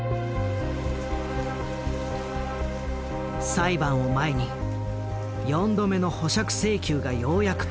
裁判を前に４度目の保釈請求がようやく通った。